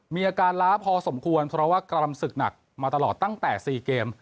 มีอาการล้าพอสมควรเพราะว่ากำลังศึกหนักมาตลอดตั้งแต่๔เกม